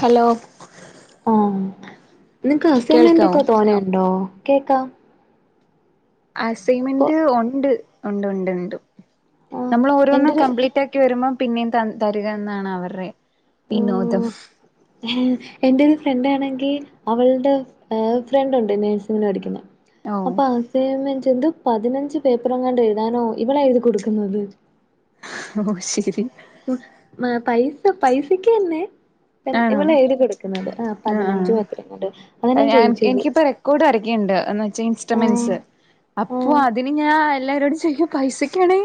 hello നിങ്ങ്ക്ക് കേൾക്കാവോ അസ്സെയ്മെന്റെക്കെ തോനെ ഇണ്ടോ കേക്കാം ആ കൊ സിമെൻ്റ് ഒണ്ട് ഒണ്ട് ഒണ്ട് ഒണ്ട് ആഹ് നമ്മള് ഒരോന്നും എന്റൊരു കംപ്ലീറ്റ് ആക്കി വരുമ്പം പിന്നെയും ത തരിക എന്നാണ് അവരുടെ ഓ വിനോദം എ എന്റെ ഒരു ഫ്രണ്ടാണ് [unintelligible] അവളുടെ ഫ്രണ്ട് ഉണ്ട് നേഴ്സിങ്ങിന് പഠിക്കുന്ന ഓ അപ്പൊ അസ്സൈൻമെന്റ് എന്തുവാ പതിനഞ്ച് പേപ്പർങ്ങാണ്ട് എഴുതാനോ ഇവളാ എഴുതി കൊടുക്കുന്നത് ഓ ശെരി പൈസ പൈസക്ക് തന്നെ ആണോ ഇവളാ എഴുതി കൊടുക്കുന്നത് ആഹ് ആ പതിനഞ്ചോ അത്രങ്ങാണ്ട് അതാ ഞാൻ ആ ചോദിച്ചത് എനിക്കിപ്പ റെക്കോർഡ് വരയ്ക്കാനുണ്ട് എന്ന് വെച്ചാ ആഹ് ഇൻസ്ട്രമെന്റ്സ് അപ്പൊ ആഹ് അതിന് ഞാൻ എല്ലാരോടും ചെയ്യ പൈസക്കാണ്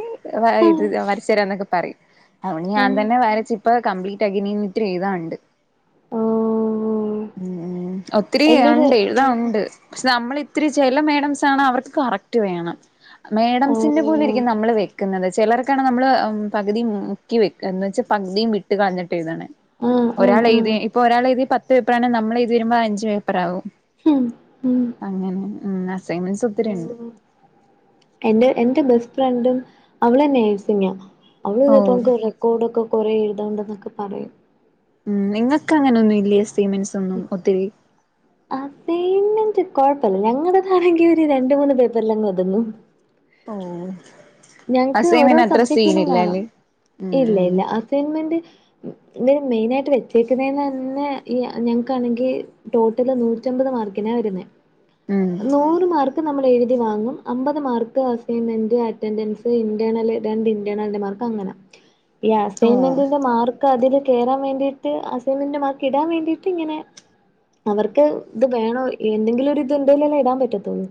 ഇ ആഹ് വരച്ച് തരാന്നൊക്കെ പറയും അത് കൊണ്ട് ഞാൻ ആഹ് തന്നെ വരച്ച് ഇപ്പം കംപ്ലീറ്റ് ആക്കി ഇനി ഇത്തിരി എഴ്താൻ ഉണ്ട് ഓഹ് ഉ ഒത്തിരി എന്റൊരു ഉണ്ട് എഴുതാൻ ആഹ് ഉണ്ട് പക്ഷെ നമ്മള് ഒത്തിരി ചെല മേഡംസ് ആണ് അവർക്ക് കറക്റ്റ് വേണം മേഡംസിന്റെ ആഹ് പോലെ ഇരിക്കും നമ്മൾ വെക്കുന്നത് ചിലർ നമ്മള് പകുതി മുക്കി വെക്ക എന്ന് വെച്ചാ പകുതിയും വിട്ട് കളഞ്ഞിട്ട് എഴുതാണ് ആഹ് ആഹ് ഒരാൾ ആഹ് എഴ്തി ഇപ്പൊ ഒരാൾ എഴ്തി പ പേപ്പറാണേ നമ്മൾ എഴുതി വരുമ്പോ അഞ്ച് പേപ്പറാകും മ്ഹ് മ് ന്നാ അസൈൻമെൻസ് ഒത്തിരി ഇണ്ട് എന്റെ എന്റെ ബെസ്റ്റ് ഫ്രണ്ടും അവള് നേഴ്സിങ്ങാ അവള് ഓ [unintelligible] റെക്കോർഡ് ഒക്കെ കുറെ എഴുതണ്ടെന്നൊക്കെ പറയും ഉം നിങ്ങക്ക് അങ്ങനൊന്നും ഇല്ലേ അസൈൻമെന്റ്സ് ഒന്നും ഒത്തിരി അതന്നെ കുഴപ്പമില്ല ഞങ്ങളതാണെങ്കി ഒരു രണ്ട് മൂന്ന് പേപ്പറിലങ്ങ് ഒതുങ്ങും ഓ ഞങ്ങക്ക് ഓരോ അസൈൻമെന്റ് അത്ര സബ്ജക്റ്റിനും വേണം സീനില്ലല്ലേ ഉം ഇല്ല ഉം ഇല്ല അസൈൻമെന്റ് ഇവര് മെയിനായിട്ട് വെച്ചേക്കുന്നേന്ന് തന്നെ ഈ ഞങ്ങക്കാണെങ്കി ടോട്ടല് നൂറ്റമ്പത് മാർക്കിനാ വരുന്നേ ഉം നൂറ് മാർക്ക് നമ്മൾ എഴുതി വങ്ങും അമ്പത് mark assignment at attendance internal രണ്ട് ഇന്റേർണലിന്റെ മാർക്ക് അങ്ങനെ ഈ ഓ അസൈൻമെന്റിന്റെ മാർ അതില് കേറാൻ വേണ്ടിട്ട് അസൈൻമെന്റ് മാർക്കിടാൻവേണ്ടീട്ട് ഇങ്ങനെ അവർക്ക് ഇത് വേണോ എന്തെങ്കിലും ഇത് ഉണ്ടേലല്ലേ ഇടാൻ പറ്റത്തോള്ളൂ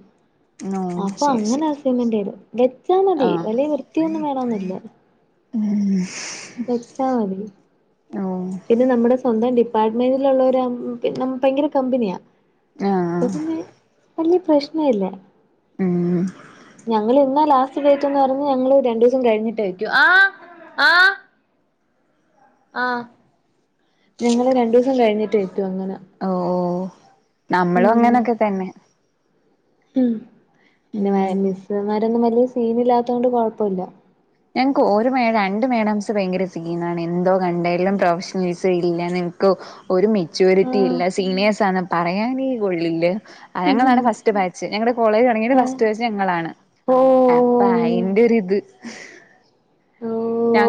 ഓ അപ്പൊ ശരി അങ്ങനെ ശരി അസൈമന്റെതും വെ വച്ചാ മതി ആഹ് വല്യ വൃത്തിയൊന്നും വേണാന്നി [unintelligible] വെച്ചാ മതി ഓഹ് പിന്നെ നമ്മുടെ സ്വന്തം ഡിപ്പാർട്ട്മെന്റിലൊള്ളര മ് പിന്നെ പയങ്കരകമ്പനിയാ ആഹ് അപ്പൊപിന്നെ വല്യ പ്രശ്നലാ ഉം ഞങ്ങള് ഇന്നാലാസ്റ്റ് ഡേറ്റ്ന്ന് പറഞ്ഞ ഞങ്ങള് രണ്ടു ദിവസം കഴിഞ്ഞിട്ടേ വെക്കു ആഹ് ആഹ് ആഹ് ഞങ്ങള് രണ്ടു ദിവസം കഴിഞ്ഞിട്ടേ വെക്കു അങ്ങനെ ഓഹ് ഓഹ് നമ്മളും അങ്ങനക്കെ തന്നെ ഉം പിന്നെ ഉം മിസ്സ്‌മാര് രൊന്നും വല്യ സീനില്ലാത്തോണ്ട് കൊഴപ്പഇല്ല ഞങ്ങക്ക് ഒരു മേഡ രണ്ട് മേഡംസ് ഭയങ്കര സീനാണ് എന്തോ രണ്ടേലും പ്രൊഫഷണൽ [unintelligible] നിക്കോ ഒരു മെച്യൂരിറ്റി ഇല്ല ആ സീനിയേഴ്സ് ആണ് പറയാനേ കൊള്ളില്ല അത ഞങ്ങളാണ് ഫസ്റ്റ്ബാച്ച് ഞങ്ങടെ കോളേജ് തൊടങ്ങിട്ട് ഫസ്റ്റ് ബാച്ച് ഞങ്ങളാണ് ഓ അപ്പൊ അയിന്റെ ഒരിത് ഓ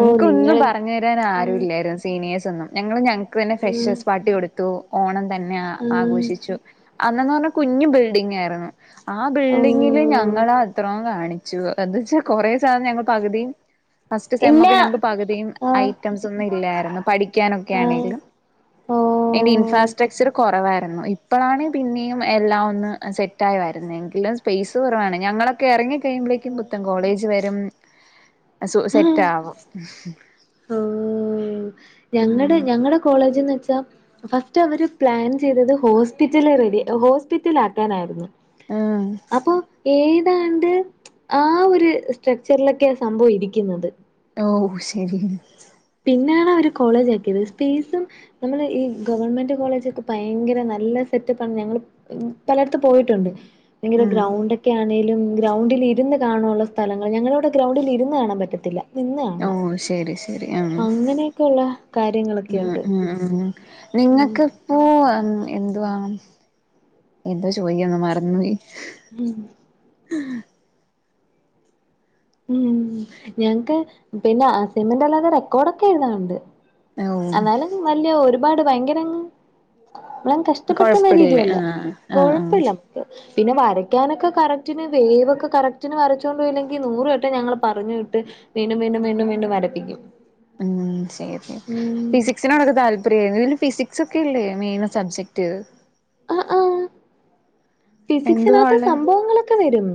ഓ നിങ്ങൾ പറഞ്ഞു തരാൻ ആരു ഉം ഇല്ലായിരുന്നു സീനിയേഴസ് ഞങ്ങള് ഞ ക്ക്‌ പിന്നെ ഉം ഫ്രഷസ് പാട്ടി കൊടുത്തു ഓണം തന്നെ ഉം ആഘോഷിച്ചു അ അന്നന്ന് പറഞ്ഞ കുഞ്ഞു ബിൽഡിങ്ങാരുന്നു ആ ഓ ബിൽഡിങ്ങില് ഞങ്ങളാ അത്രോം കാണി ച്ചു എന്താച്ചാ കൊറേ സാധനം ഞങ്ങൾ പകുതിയും ത്ത് ഇല്ല സെമൊക്കെ ഞങ്ങക്ക് പകുതീം ആ ഐറ്റംസൊന്നും ഇല്ലാരുന്നു പഠിക്കാനൊക്കെ ആ ആണേലും ഓ അതിന്റെ ഇൻഫാസ്ട്രക്ചർ കൊറവായി രുന്നു ഇപ്പളാണ് പിന്നെയും എല്ലാം ഒന്ന് സെറ്റായി വരുന്നെ എങ്കിലും സ്പേസ് കൊറവാണ് ഞങ്ങള എറങ്ങി കഴിയുമ്പളേക്കുംപുത്തൻ കോളേജ് വരും സു സെ ഉം ട്ടാവും ഓഹ് ഞങ്ങടെ ഞങ്ങടെ കോളേജ്ന്ന് വെച്ചാ ഫസ്റ്റ് അവര് പ്ലാൻ ചെയ്തത് ഹോസ്പിറ്റല് റെഡി ഹോസ്പിറ്റലാക്കാനായിരുന്നു ആഹ് അപ്പൊ ഏ ഏതാണ്ട് ആ ഒരു സ്ട്രക്ചറിലൊക്കെയാ സംഭവം ഇരിക്കുന്നത് ഓ ശെരി പിന്നെയാണ് അവര് കോളേജ് ആക്കിയത് സ്പേസും നമ്മള് ഈ ഗവൺമെന്റ് കോളേജ് ഒക്കെ ഭയങ്കര നല്ല സെറ്റപ്പ് ആണ് ഞങ്ങൾ പലയിടത്തും പോയിട്ടുണ്ട് ഭയങ്കര ആഹ് ഗ്രൗണ്ട് ഒക്കെ ആണേലും ഗ്രൗണ്ടിൽ ഇരുന്ന് കാണാനുള്ള സ്ഥലങ്ങൾ ഞങ്ങളിവിടെ ഗ്രൗണ്ടിൽ ഇരുന്ന് കാണാൻ പറ്റത്തില്ല ഓഹ് ശെരി ശെരി അങ്ങനെയൊക്കെ ഉള്ള ഉം കാര്യങ്ങളൊക്കെയുണ്ട് ഉം ഉം ഉം നിങ്ങക്കിപ്പോ ഉം എന്തുവാ എന്തോ ചോയിക്കാൻ വന്ന് മറന്ന് പോയി ഹം [inaudible] ഉം ഞങ്ങക്ക് പിന്നെ അസൈൻമെന്റ് അല്ലാതെ റെക്കോഡൊക്കെ എഴുതാനുണ്ട് ഓ എന്നാലും വല്യ ഒരു പാട് ഭയങ്കരങ് [unintelligible] കഷ്ടപ്പെടുത്തുന്ന കൊഴപ്പില്ല രീതിയല്ല ആഹ് ആഹ് കൊഴപ്പില്ല ആഹ് [unintelligible] പിന്നെ വരയ്ക്കാനൊക്കെ കറക്റ്റിന് വേവ് ഒക്കെ കറക്റ്റിന് വരച്ചൊണ്ടുപോയില്ലെങ്കിൽ നൂറ് വട്ടം ഞങ്ങൾ പറഞ്ഞുവിട്ട് വീണ്ടും വീണ്ടും വീണ്ടും വീണ്ടും വരപ്പിക്കും ഉം ശരി ഉം ഫിസിക്സിനോടൊക്കെ താല്പര്യാരുന്നു പിന്നെ ഫിസിക് സൊക്കല്ലേ മെയിൻ സബ്ജക്ട് അഹ് അഹ് ഫിസിക്സിനകത്ത് സംഭവങ്ങളൊക്കെ വരും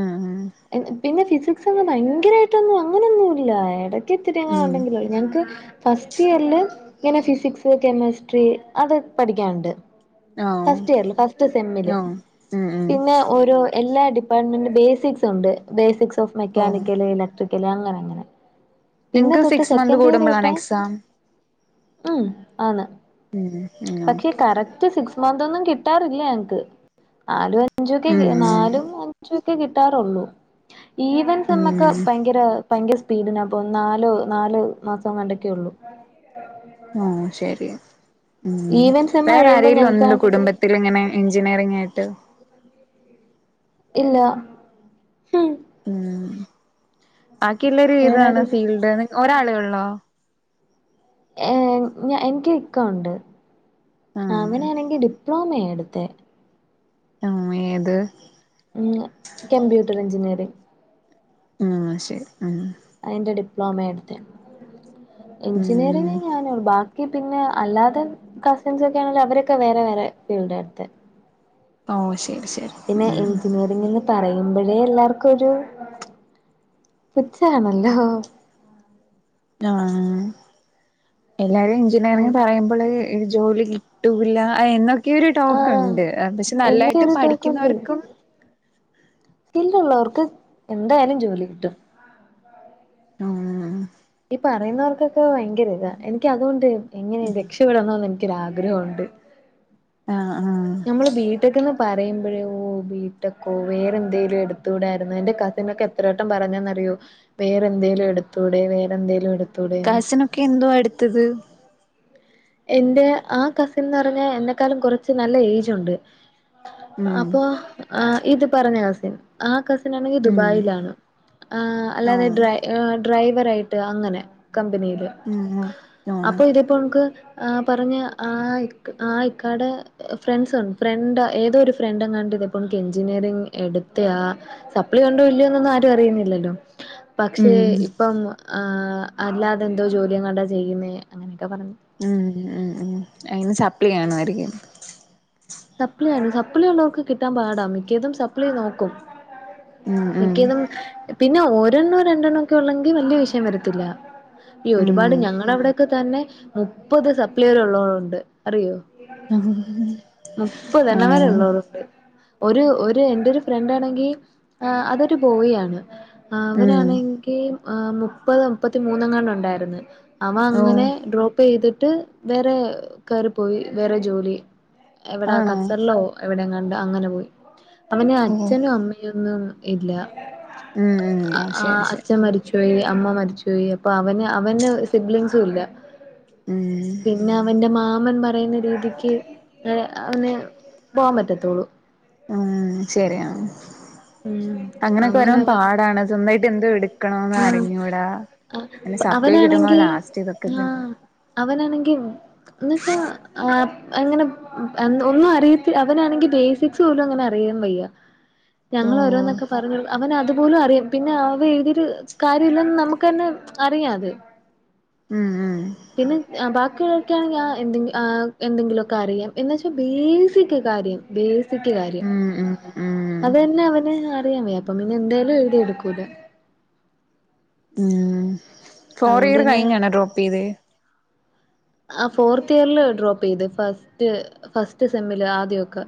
ആ ഹാ എ എ പിന്നെ ഫിസിക് ക്സൊന്നും ഭയങ്കരായിട്ടൊന്നും അങ്ങനൊന്നും ഇല്ല എട ക്കിത്തിരി എങ്ങാണ്ട് ഉം ഉണ്ടെങ്കിലൊള്ളൂ ഞങ്ങക്ക് ഫസ്റ്റ് ഇയർല് ഇങ്ങനെ ഫിസിക്സ് കെമിസ്ട്രി അത് പഠിക്കാനുണ്ട് ഓഹ് ഫസ്റ്റ് ഇയർല് ഫസ്റ്റ് സെമ്മില് ഓഹ് ഉം ഉം പിന്നെ ഓരോ എല്ലാ ഡിപ്പാർട്ട്മെന്റും ബേസിക്സ് ഉണ്ട് ബേസിക്സ് സ് ഓഫ് ഓ മെക്കാനിക്കൽ ഇലക്ട്രിക് ക്കല് അങ്ങനെങ്ങനെ നിങ്ങക്ക് സിക്സ് മന്ത് കൂടുമ്പളാണോ എക്സാം ഉം ആണ് ഉം ഉം പക്ഷേ ഓക്കെ കറക്റ്റ് സിക്സ് മന്തൊന്നും കിട്ടാറില്ല ഞങ്ങക്ക് നാലു അഞ്ചൊകേ ഏ ഉം നാലും അഞ്ചും ക്ക് കിട്ടാറൊള്ളൂ ഈവൻ സെമ്മക്ക ഉം ഭയങ്കര ഭയങ്കര സ്പീഡിനാ പോന്ന് നാലോ നാല് മാസംങ്ങാണ്ടെക്കെ ഒള്ളു ആ ശെരി ഉം ഈവൻ സെമ്മ് വേറെ കഴിയുമ്പോ ആരേലും ഒണ്ട് ഞങ്ങക്കാണെങ്കില് കുടുംബത്തിലിങ്ങനെ എൻജിനീയറിംഗായിട്ട് ഇല്ലാ ഹും ഉം ബാക്കിയിള്ളെര് വേറെ ഇതാണ് ആരുല്ല ഫീൽഡ്ന്ന് ഒരാളെ ഒൾ ളൊ ഏ ഞ എനിക്ക് ഇക്ക ഉണ്ട് ആഹ് അവനാണെങ്കി ഡി [unintelligible] ആ ഏത് മ് കമ്പ്യൂട്ടർ ഇഞ്ജിനീയറിംഗ് ആ ശരി അ അതിന്റെ ഡിപ്ലോമേയാ എടുത്തെ എഞ്ചിനീയറിംഗ് ഉം ഞാനും [unintelligible] ക്ക് പിന്നെ അല്ലാതെ കസിൻസ് ഒക്കെ ആണേലും അവരൊക്കെ വേറെ വേറെ ഫിൽഡാട്ത്തെ ഓ ശെ പിന്നെ എഞ്ചിനീയറിംഗ് എന്ന് പറയും യുമ്പഴേ എല്ലാർക്കൊരു പുച്ഛാണല്ലോ ആ എല്ലാരും എഞ്ചിനീയറിംഗ് പറയുമ്പളെക്ക് [unintelligible] ജോലി കിട്ടൂല്ലാ [unintelligible] ക്കെയൊരു ടോക്ക് ആഹ് ഇണ്ട് പക്ഷെ എന്നൊക്കെ നല്ലായ്ട്ട് ഒരു പഠിക്കുന്നവർക്കും സ്‌കില്ല് ഉള്ളവർക്ക് എന്തായാലും ജോലി കിട്ടും മ് ഈ പറയുന്നവർക്കൊക്കെ ഭയങ്കര ഇതാ എനിക്ക് അതോണ്ട് എങ്ങനെലും രക്ഷപ്പെടണം എന്നുണ്ട് ക്കൊര് ആഗ്രഹം ഒണ്ട് ആഹ് ആഹ് ഞമ്മള് ബീട്ടെക്കെന്ന് പറയുമ്പോഴേ ഓ ബിട്ടെക്കോ വേറെന്തേലും എടുത്തൂടാർന്നോ എന്റെ കസിനൊക്കെ എത്രെവെട്ടം പറഞ്ഞെന്നറിയോ വേറെന്തേലും എടുത്തൂടെ വേറെന്തേലും എടു കസിനൊക്കെ എന്തുവ എടുത്തത് എൻ്റെ ആ കസിൻന്ന് പറഞ്ഞാ എന്നെക്കാലും കുറച്ച് നല്ല ഏജുണ്ട് ഉം അപ്പൊ ആ ഇത് പറഞ്ഞ കസിൻ ആ കസി ത് നാണെങ്കി ഉം ദുബായിലാണ് ആ അല്ലാതെ ആഹ് ഡ്രൈ ആ ഡ്രൈവർ ആയിട്ട് അങ്ങനെ കമ്പനിയില് ഉം ഉം ആഹ് അപ്പൊ ഇതിപ്പോ ൻക്ക് ആ പറഞ്ഞ ആ ഇക് ആ ഇക്കാടെ ഫ്രണ്ട്സുണ്ട് ഫ്രണ്ട് ഏതോ ഒരു ഫ്രണ്ട് എങ്ങാണ്ട് ത്പ്പൊ എഞ്ചിനീറിങ് എടുത്ത് ആ സപ്ലി കൊണ്ടോ ഇല്ലയോന്നൊന്നും ആരും അറിയുന്നില്ലല്ലോ പക്ഷേ ഉം ഇപ്പം ആ അല്ലാതെന്തോ ജോലിയെങ്ങാണ്ടാ ചെയ്യുന്നേ അങ്ങനെയൊക്കെ പറഞ്ഞു ഉം ഉം ഉം അയിന് സപ്ലി കാണ്‌വാരികും സപ്ലിയാണ് സപ്ലി ഉള്ളോർക്ക് കിട്ടാൻ പാടാ മിക്കതും സപ്ലി നോക്കും ഉം ഉം മിക്കതും പിന്നെ ഒരെണ്ണോ രണ്ടെണ്ണോ ഒക്കെ ഒള്ളെങ്കി വല്യ വിഷയം വരത്തില്ല ഈ ഒരുപാട് ഉം ഞങ്ങളവടെക്കെ തന്നെ മുപ്പത് സപ്ല്യരൊള്ളൊവളണ്ട് അറിയോ മുപ്പതെണ്ണം വരെ ആഹ് ള്ളൊലുണ്ട് ഒരു ഒരു എന്റൊരു ഫ്രണ്ടാണെങ്കിആ അതൊരു ബോയി ആണ് ഉം അവനാണെങ്കീ ഹ് മുപ്പത് മുപ്പത്തിമൂന്നൊങ്ങാണ്ടൊണ്ടായിരുന്ന് അവ ഓഹ് അങ്ങനെ ഡ്രോപ്പ് ചെയ്തി ട്ട് വേറെ കേറി പോയി വേറെ ജോലി എവിടാ ആണോ ഖത്തറിലോ എവിടെങ്ങ ണ്ട് അങ്ങനെ പോയി അവന് ഓഹ് അച്ഛനും അമ്മയൊന്നും ഇല്ല ഉം ഉം ഓഹ് ആ ശരി ശരി അച്ഛൻ മരിച്ചോയി അമ്മ മരി ചോയി അപ്പൊ അവന് അവന് സിമ്പ്ളിങ്സും ഇല്ല ഉം പിന്നെ അവന്റെ മാമൻ പറയുന്ന രീതിക്ക് ഹ് അവന് പോവാൻ പറ്റൊത്തുള്ളൂ ഉം ശരിയാണ്‌ ഉം അങ്ങനൊക്കെ വരും പാടാണ് സ്വന്തായിട്ട് എന്തോ എടു ആ സപ്ലി കിട്ടുമ്പോ അവനാണെങ്കി ലാസ്റ്റ് ഇതൊക്കെ ആ പിന്നെ അവനാണെങ്കി എന്നച്ചാ ആ അങ്ങനെ ഒന്നും അറിയത്തി അവനാണെങ്കി ബേസിക്സ് പോലും അങ്ങനെ അറിയവയ്യ ഞങ്ങൾ ഓഹ് ഓരോന്നൊക്കെ പറഞ്ഞ അവന അത് പോലും അറിയാം പിന്നെ അവ എഴുതീട്ട് കാര്യവില്ലന്ന് നമുക്കെന്നെ അറിയാം അത് ഉം ഉം പിന്നെ ഞ ബാക്കിയുള്ള ക്കെയാണ് ഞ എന്തെങ്കിഎന്തെങ്കിലൊക്കെ അറിയാം എന്നൊച്ചാ ബേസിക് കാര്യംബേസി ഉം ഉം ഉം അതന്നെ അവന് റിയാം വയ്യെപ്പം പിന്നെ എന്തേലും എഴുതിയ എടുക്കൂല ഉം ഫോർ അതുകൊണ്ട് ഇയർ പിന്നെ കഴിഞ്ഞാണോ ഡ്രോപ്പ് ചെയ്ത് ആ ഫോർത്ത് ഇയറീല ഡ്രോപ്പ് ചെയ്ത് ഫസ്റ്റ് ഫസ്റ്റ് സെമ്മില് ആദ്യൊക്കെ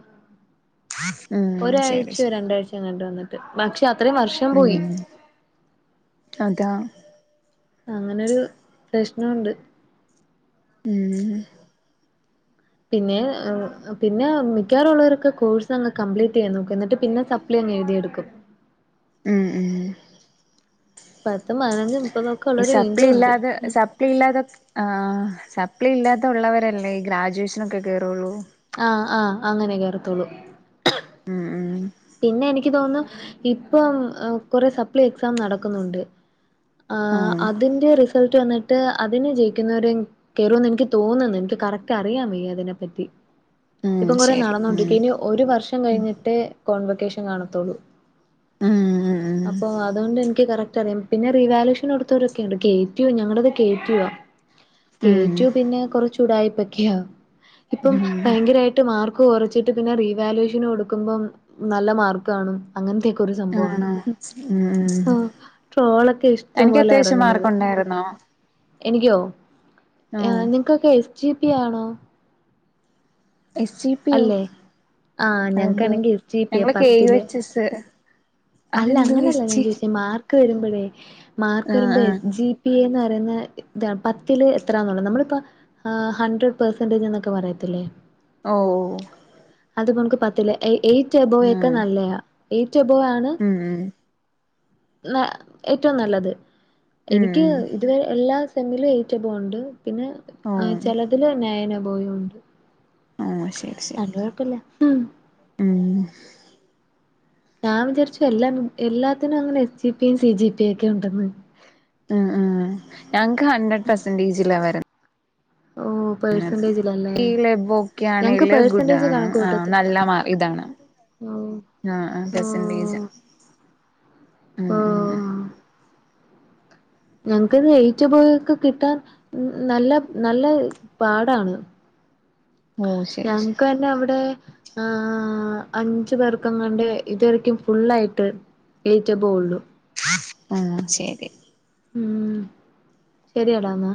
ഉം ശരി ഒരാഴ്ചയോ ശ രണ്ടാഴ്ചോ കണ്ട് വന്നിട്ട് [unintelligible] അത്രയും വർഷം പോയി ഉം അതാ അങ്ങനെരു ഉണ്ട് ഉം പിന്നെ പിന്നെ മിക്കാറുള്ളവരൊക്കെ കോഴ്സ് അങ്ങ് കംപ്ലീറ്റ് ചെയ്യാൻ നോക്കു എന്നിട്ട് പിന്നെ സപ്ലൈ അങ്ങ് എഴുതിയെടുക്കും ഉം ഉം പത്തും പതിനഞ്ചും മുപ്പതും ഒക്കെ ഈ ഉള്ളവര് സപ്ലി വീണ്ടും ഉണ്ട് ഇല്ലാതെ ഉം സപ്ലി ഇല്ലാത ആഹ സപ്ലി അപ്പളെ ഇല്ലാത്തവരല്ലേ ഈ ഗ്രാജുവേഷൻ ഒക്കെ കേയറുള്ളൂ ആഹ് ആഹ അങ്ങനെ കേയറത്തോളൂ ഉം ഉം പിന്നെ എനിക്ക് തോന്നുന്നു ഇപ്പം കുറെ സപ്ലൈ എക്സാം നടക്കുന്നുണ്ട് ആ ആഹ് അതിന്റെ റിസൾട്ട് വന്നിട്ട് എന്നിട്ട് അതിന് ജയിക്കുന്നവര കയറൂന്ന് എനിക്ക് തോന്നുന്നു എനിക്ക് കററ്റ് അറിയാൻ വയ്യ അതിനെ പറ്റി ഉം ഇപ്പം കുറെ ശരി നടന്നൊണ്ടിരിക്ക ഉം ഇനി ഒരു വർഷം കഴിഞ്ഞിട്ട് വെക്കേഷൻ കാണത്തോളൂ ഉം അപ്പോ അതുകൊണ്ട് എനിക്ക് കറക്റ്റ് [unintelligible] പിന്നെ റീവാലയൂഷൻ കൊടുത്തവരൊക്കെയുണ്ട് കേറ്റു ആ ഞങ്ങളടത് കേറ്റു ആ ഉം കേറ്റു പിന്നെ കുറച്ചു ഉടായിപ്പ് ഇപ്പൊ ഒക്കെയാവും ഇപ്പം ഉം ഭയങ്കരായിട്ട് മാർക്ക് കുറച്ചിട്ട് പിന്നെ റീവാലുവേഷൻ കൊടുക്കുമ്പം നല്ല മാർക്ക് കാണും അങ്ങനത്തൊക്കെ ഇപ്പം ഒരു സംഭവമാണ് ആണോ ഉം ആ, ട്രോളൊക്കെ ഇഷ്ടം തനിക്ക് പോലെ അത്യാവശ്യം ഇറങ്ങുന്നത് മാർക്കുണ്ടായിരുന്നോ എനിക്കോ ആ ഓഹ് നിങ്ങക്കൊക്കെ എസ് ജി പി ആണോ [unintelligible] എസ് ജിപോ അല്ലേ ആ അതെന്ത ഞങ്ങക്കാണെങ്കിൽ എസ് ജി പി യാ ഞങ്ങള കെ പത്തില് വച്ച് എസ് അല്ല അതെന്തുവാ അങ്ങനെയല്ല എസ് ഞാൻ ജി ചോദിച്ച മാ വരുമ്പോഴേ മാർക്ക് ആഹ് വരുമ്പേ ആഹ് എസ് ജി പി എന്നാ പിന്നെ പത്തില് എത്രാന്നോണ്ട് നമ്മള് ഇപ്പോ ആ ഹൺഡ്രഡ് പെർസെന്റജ് എന്നൊക്കെ പറയത്തില്ലേ ഓ ഓ അതിപ്പോ നമുക്ക് പത്തിലെ ഏയ് എയ്റ്റ് എബോ ഒക്കെ നല്ലയാ എയ്റ്റ് എബോ ആണ് ഉം ഉം ന ഏറ്റവും നല്ലത് ഉം എനിക്ക് ഇതുവരെ എല്ലാ സെമില് ഏറ്റ ബോണ്ട് പിന്നെ ഉം ഓ ചിലതിൽ നൈൻ പോയുണ്ട് ഓ ശരി അത് ശരി കുഴപ്പൊല ഹും ഉം ഞാൻ വിചാരിച്ചു എല്ല എല്ലാത്തിനും അങ്ങനെ എസ് ജിപിയും സി ജിപിയും ഒക്കെ ഉണ്ടന്ന് ഉം ഉം ഞങ്ങക്ക് ഹഡ്രഡ് പെർസെന്റേജില വരുന്നത് ഓ പേഴ്സന്റേജിലല്ലേ ഈ ലബോക്കെ ഞങ്ങക്ക് ആണെില് ഗുഡ പേഴ്സന്റേജ് ആണ് കണക്ക് ആ കൂട്ടത്തില്ല നല്ല മാ ഇതാണ് ഓ ആ ഓ പെർസെന്റേജ ഉ ഓ ഉ ഞങ്ങക്ക്ത് എയിറ്റപോയൊക്കെ കിട്ടാൻ നല്ല നല്ല പാടാണ് ഓ ശരി ഞങ്ങക്ക് ശരി തന്നെ അവിടെ ആ അഞ്ചു പേർക്കങ്ങാണ്ട് ഇതുവരെക്കും ഫുള്ളായിട്ട് എയ്റ്റ് എബോവ് ഉള്ളു ആഹ് ശരി ഉം ശരിയടാന്നാ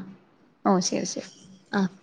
ഓ ശരി ശരി ആഹ്